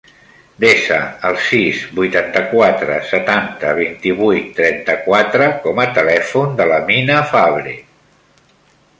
Desa el sis, vuitanta-quatre, setanta, vint-i-vuit, trenta-quatre com a telèfon de l'Amina Fabre.